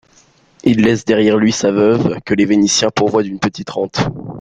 Il laisse derrière lui sa veuve, que les Vénitiens pourvoient d'une petite rente.